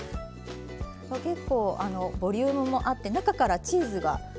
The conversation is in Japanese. これ結構ボリュームもあって中からチーズが。